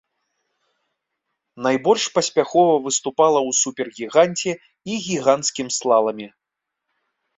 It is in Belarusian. Найбольш паспяхова выступала ў супергіганце і гіганцкім слаламе.